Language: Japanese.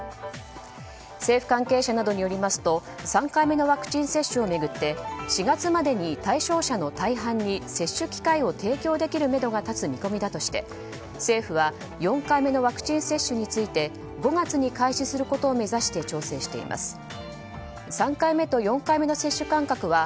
政府関係者などによりますと３回目のワクチン接種を巡って４月までに対象者の大半に接種機会を提供できるめどが立つ見込みだとして政府は４回目のワクチン接種について５月に開始することを目指して調整しています。